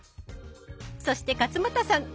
そして勝俣さん。